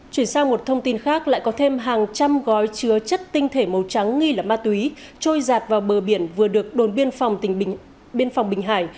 chuyển sang một thông tin khác lại có thêm hàng trăm gói chứa chất tinh thể màu trắng nghi là ma túy trôi giạt vào bờ biển vừa được đồn biên phòng bình hải